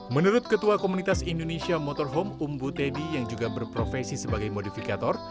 menurut ketua komunitas indonesia motorhome umbu teddy yang juga berprofesi sebagai modifikator